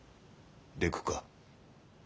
でくっか？